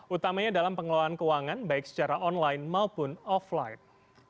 utamanya dalam pengelolaan keuangan baik secara online maupun offline